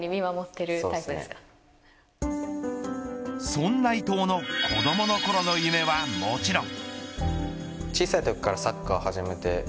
そんな伊東の子どものころの夢はもちろん。